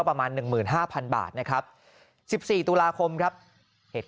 ประมาณหนึ่งหมื่นห้าพันบาทนะครับสิบสี่ตุลาคมครับเหตุ